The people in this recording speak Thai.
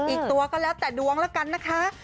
อีกตัวก็แล้วแต่ดวงแล้วกันนะคะ